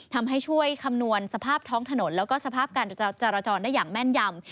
ทำให้ช่วยคำนวณสภาพท้องถนนแล้วก็สภาพการจราจรได้อย่างแม่นยำ